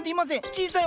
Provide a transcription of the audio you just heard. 小さい？